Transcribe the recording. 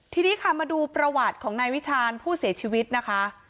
ทีนี้ค่ะมาดูประวัติของนายวิชาญผู้เสียชีวิตนะคะ